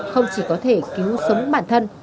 không chỉ có thể cứu sống bản thân